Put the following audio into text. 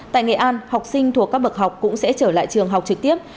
tại nghệ an học sinh thuộc các bậc học cũng sẽ trở lại trường học trực tiếp